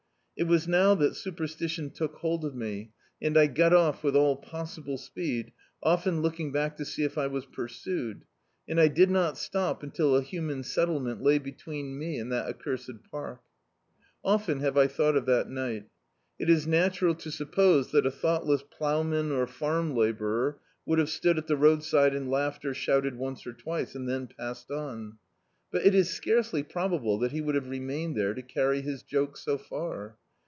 It was now that superstition took hold [i88] D,i.,.db, Google On Tramp Again of me, and I got off with all possible speed, often looking back to see if I was pursued; and I did not stop until a human settlement lay between me and that accursed parL Often have I thought of that night. It is natural to suppose that a thoughtless ploughman, or farm labourer, would have stood at the roadside and laughed or shouted mice or twice, and then passed on, but it is scarcely probable that he would have remained there to carry his joke so far.